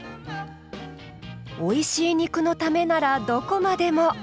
おいしい肉のためならどこまでも。